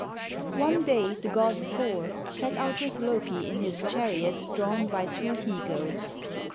One day the god Thor set out with Loki in his chariot drawn by two he goats.